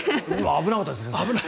危なかったですね。